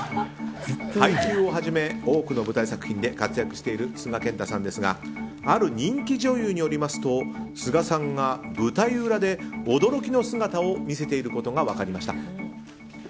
「ハイキュー！！」をはじめ多くの舞台作品で活躍している須賀健太さんですがある人気女優によりますと須賀さんが舞台裏で驚きの姿を見せていることが分かりました。